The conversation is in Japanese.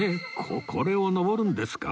ここれを登るんですか？